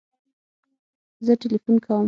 زه تلیفون کوم